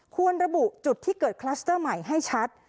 ควรระบุจุดที่เกิดคลัสเตอร์ใหม่ให้ชัด